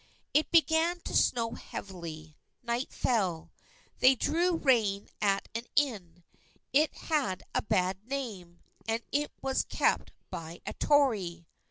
It began to snow heavily. Night fell. They drew rein at an inn. It had a bad name; and it was kept by a Tory.